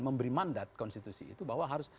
memberi mandat konstitusi itu bahwa harus